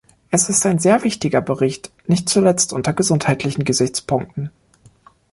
Es ist ein sehr wichtiger Bericht nicht zuletzt unter gesundheitlichen Gesichtspunkten.